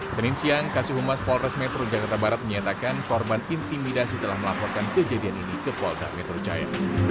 senin siang kasih humas polres metro jakarta barat menyatakan korban intimidasi telah melaporkan kejadian ini ke polda metro jaya